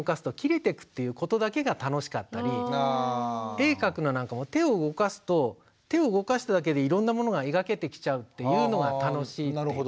絵を描くのなんかも手を動かすと手を動かしただけでいろんなものが描けてきちゃうっていうのが楽しいっていうか。